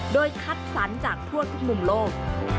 โดยคัดสรรจากทั่วทุกมุมโลก